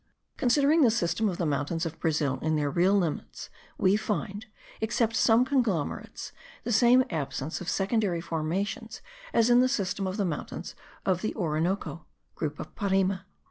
Considering the system of the mountains of Brazil in their real limits, we find, except some conglomerates, the same absence of secondary formations as in the system of the mountains of the Orinoco (group of Parime).